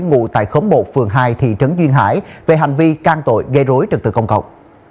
ngụ tại khóm một phường hai thị trấn duyên hải về hành vi can tội gây rối trật tự công cộng